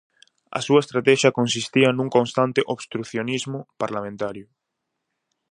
A súa estratexia consistía nun constante obstrucionismo parlamentario.